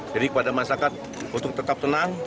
kepada masyarakat untuk tetap tenang